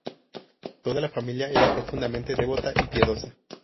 Toda la familia era profundamente devota y piadosa.